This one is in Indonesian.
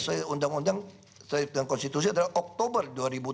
untuk undang undang konstitusi adalah pada oktober dua ribu tujuh belas